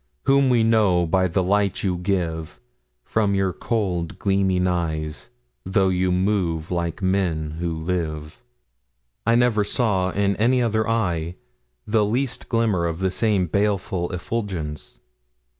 whom we know by the light you give From your cold gleaming eyes, though you move like men who live. I never saw in any other eye the least glimmer of the same baleful effulgence.